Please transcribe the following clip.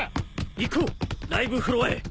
行こうライブフロアへ！